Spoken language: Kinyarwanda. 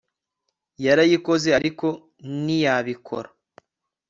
Yarayikoze ariko ntiyabikora